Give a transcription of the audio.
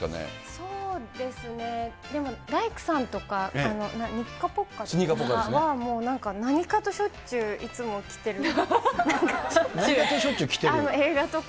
そうですね、でも大工さんとか、ニッカポッカは、もうなんか、何かとしょっちゅう、いつも着てる、なんか。